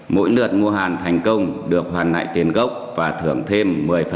mỗi lượt mua hàng thành công được hoàn hại tiền gốc và thưởng thêm một mươi hai mươi